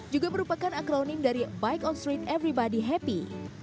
juga merupakan akronim dari bike on street everybody happy